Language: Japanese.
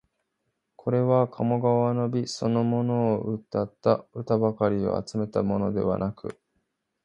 これは鴨川の美そのものをうたった歌ばかりを集めたものではなく、